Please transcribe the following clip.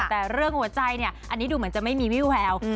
แต่เรื่องหัวใจเนี่ยอันนี้ดูเหมือนจะไม่มีวิแวว